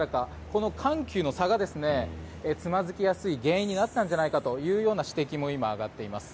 この緩急の差がつまづきやすい原因になったんじゃないかという指摘も今、上がっています。